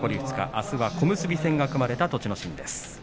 あすは小結戦が組まれた栃ノ心です。